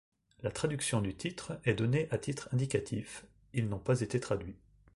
La traduction du titre est donnée à titre indicatif, ils n'ont pas été traduits.